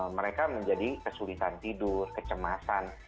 mereka menjadi kesulitan tidur kecemasan